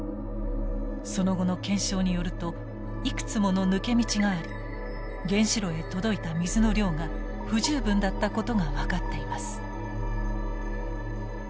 その後の検証によるといくつもの抜け道があり原子炉へ届いた水の量が不十分だったことが分かっています。